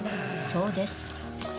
そうです。